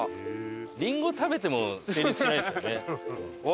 りんご食べても成立しないですよね。